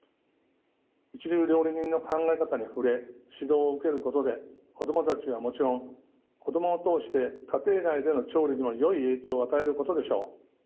一流料理人の考え方に触れ指導を受けることで子供たちはもちろん子供を通して家庭内での調理にもよい影響を与えることでしょう。